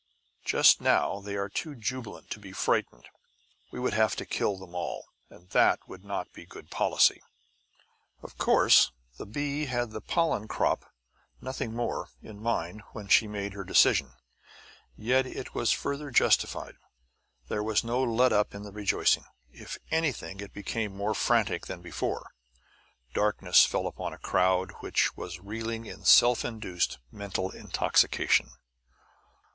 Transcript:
Just now, they are too jubilant to be frightened; we would have to kill them all, and that would not be good policy." Of course, the bee had the pollen crop, nothing more, in mind when she made her decision; yet it was further justified. There was no let up in the rejoicing; if anything, it became more frantic than before. Darkness fell upon a crowd which was reeling in self induced mental intoxication.